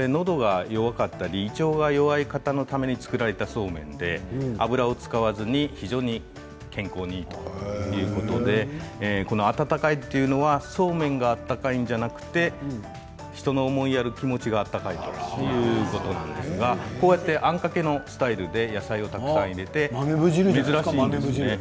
のどや胃腸の弱い方のために作られたそうめんで油を使わずに非常に健康にいいということで温かいというのはそうめんが温かいのではなくて人を思いやる気持ちが温かいということなんですがこうやってあんかけのスタイルで野菜をたくさん入れて。